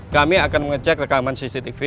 kami akan mengecek rekaman cctv